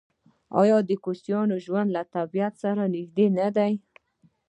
آیا د کوچیانو ژوند له طبیعت سره نږدې نه دی؟